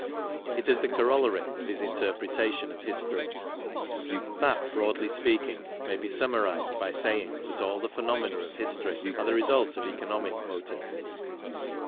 It is the corollary of his interpre tation, of history. That, broadly speaking, may be summarized by saying that all the phenomena of history are the result of economic motives.